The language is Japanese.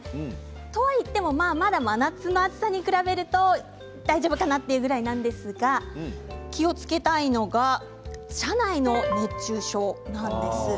そうはいっても真夏の暑さに比べると大丈夫かなというぐらいなんですが気をつけたいのが車内の熱中症なんです。